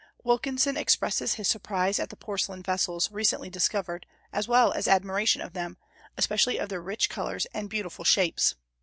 Wilkinson expresses his surprise at the porcelain vessels recently discovered, as well as admiration of them, especially of their rich colors and beautiful shapes.